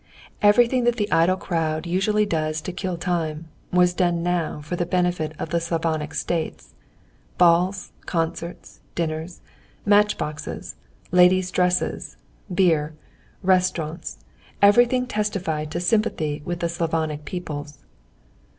Everything that the idle crowd usually does to kill time was done now for the benefit of the Slavonic States. Balls, concerts, dinners, matchboxes, ladies' dresses, beer, restaurants—everything testified to sympathy with the Slavonic peoples.